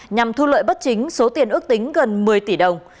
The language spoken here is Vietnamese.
nhằm thu lợi bất chính số tiền ước tính gần một mươi tỷ đồng